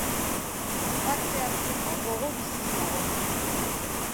Parte hartzeko gogo biziz nago.